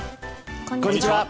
こんにちは。